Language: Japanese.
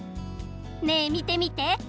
ねえみてみて。